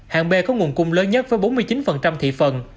hạng b có nguồn cung lớn nhất với bốn mươi chín thị phần